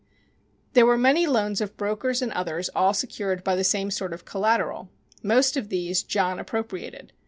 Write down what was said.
There were many loans of brokers and others all secured by the same sort of collateral. Most of these John appropriated.